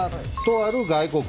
とある外国。